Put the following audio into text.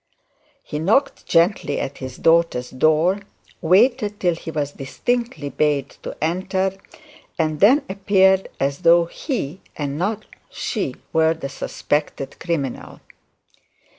He knocked gently at his daughter's door, waited till he was distinctly bade to enter, and then appeared as though he and not she was the suspected criminal.